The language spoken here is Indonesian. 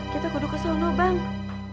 kita kuduk kesana bang